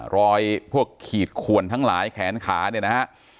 รอยพวกขีดขวนทั้งหลายแขนขาเนี่ยนะฮะ